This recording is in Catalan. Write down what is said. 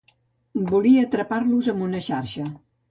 Volia atrapar-los amb una xarxa.